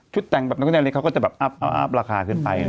ชุดแต่งแบบน้ำจะอัพราคาขึ้นไป